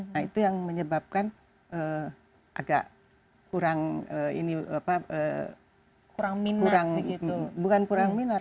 nah itu yang menyebabkan agak kurang ini apa kurang minat bukan kurang minat